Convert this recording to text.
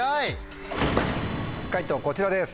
解答こちらです。